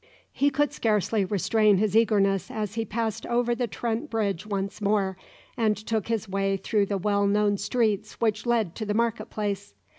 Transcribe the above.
He could scarcely restrain his eagerness as he passed over the Trent bridge once more, and took his way through the well known streets which led to the market place.